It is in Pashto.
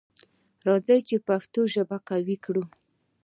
راځی پښتو ژبه قوي کړو.